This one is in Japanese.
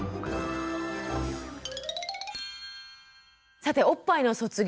さておっぱいの卒業。